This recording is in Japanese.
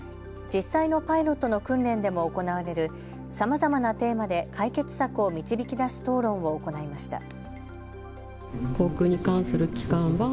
実際のパイロットの訓練でも行われるさまざまなテーマで解決策を導き出す討論を行いました。